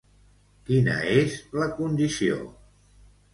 Quina és la condició?